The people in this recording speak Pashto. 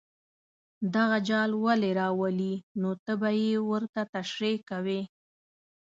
دغه جال ولې راولي نو ته به یې ورته تشریح کوې.